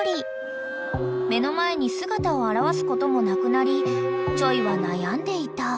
［目の前に姿を現すこともなくなりｃｈｏｙ？は悩んでいた］